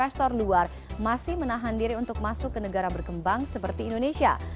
investor luar masih menahan diri untuk masuk ke negara berkembang seperti indonesia